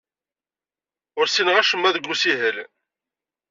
Ur ssineɣ acemma deg ussihel.